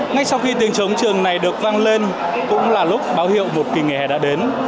ngay sau khi tiếng chống trường này được văng lên cũng là lúc báo hiệu một kỳ nghề hè đã đến